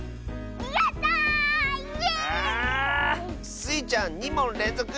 スイちゃん２もんれんぞく！